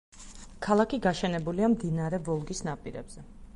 ქალაქი გაშენებულია მდინარე ვოლგის ნაპირებზე.